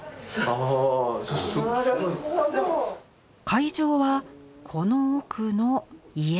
会場はこの奥の家の中。